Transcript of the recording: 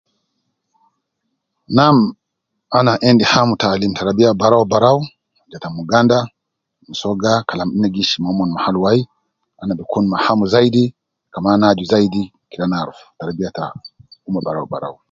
Nam, ana endi hamu ta alim tarabiya barau barau, je ta muganda, musoga kalam ne gi ishi momon mahal wai, ana bikun ma hamu zaidi, kaman ana aju zaidi kede ana aruf tarabiya ta omon barau barau